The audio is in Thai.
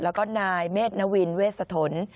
แล้วก็นายเมธนวินเวสะทน